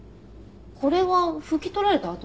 これは拭き取られた跡？